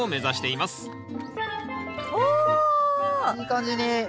いい感じに。